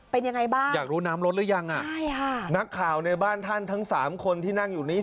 เป็นยังไงบ้างอยากรู้น้ำรถหรือยังอ่ะใช่ค่ะนักข่าวในบ้านท่านทั้งสามคนที่นั่งอยู่นี้